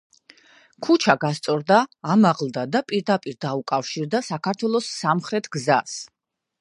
ქუჩა გასწორდა, ამაღლდა და პირდაპირ დაუკავშირდა საქართველოს სამხრეთ გზას.